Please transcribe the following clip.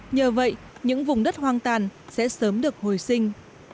nhờ vậy những vùng đất hoang tàn sẽ sớm được hồi sinh